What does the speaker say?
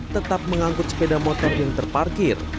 tetap mengangkut sepeda motor yang terparkir